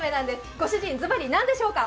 ご主人、ズバリなんでしょうか？